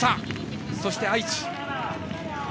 そして愛知。